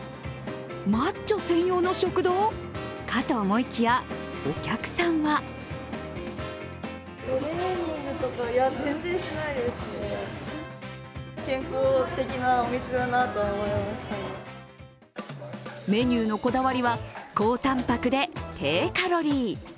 マッチョ専用の食堂かと思いきや、お客さんはメニューのこだわりは高たんぱくで低カロリー。